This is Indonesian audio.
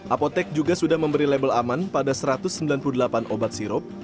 apotek juga sudah memberi label aman pada satu ratus sembilan puluh delapan obat sirup